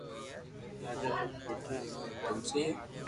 راجا رآ پيتا رو نوم تلسي ھي